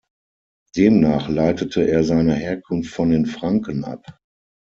Demnach leitete er seine Herkunft von den Franken ab.